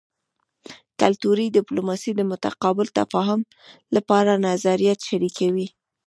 کلتوري ډیپلوماسي د متقابل تفاهم لپاره نظریات شریکوي